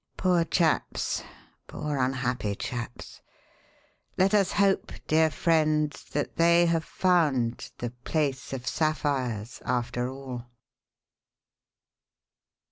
Poor chaps! Poor unhappy chaps! Let us hope, dear friend, that they have found 'the Place of Sapphires' after all."